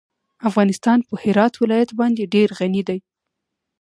افغانستان په هرات ولایت باندې ډېر غني دی.